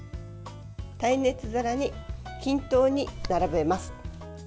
耐熱皿に均等に並べます。